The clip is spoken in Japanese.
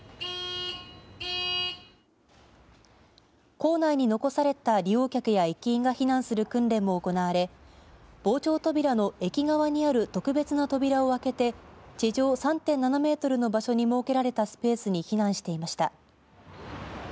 構内に残された利用客や駅員が避難する訓練も行われ防潮扉の駅側にある特別な扉を開けて地上３．７メートルの場所に設けられたスペースに避難していました。